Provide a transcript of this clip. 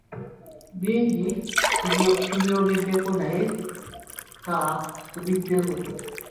Bingi tubyogeddeko naye ka tubiddemu.